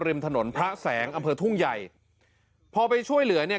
ริมถนนพระแสงอำเภอทุ่งใหญ่พอไปช่วยเหลือเนี่ย